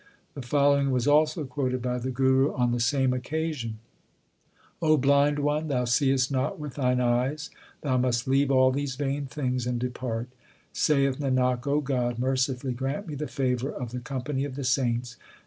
The following was also quoted by the Guru on the same occasion : blind one, thou seest not with thine eyes ; Thou must leave all these vain things and depart. Saith Nanak, O God, mercifully grant me The favour of the company of the saints.